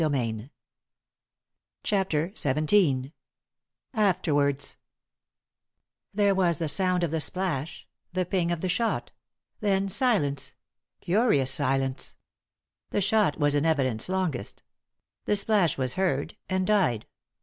V GOOglC CHAPTER XVII AFTERWARDS There was the sound of the splash ; the ping 01 the shot ; then silence — curious silence. The shot was in evidence longest. The splash was heard, and died.